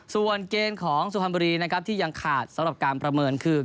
ส่วนเกมของสุพรรณบุรีนะครับที่ยังขาดสำหรับการประเมินคือ